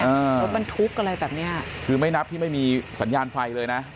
รถบรรทุกอะไรแบบเนี้ยคือไม่นับที่ไม่มีสัญญาณไฟเลยนะ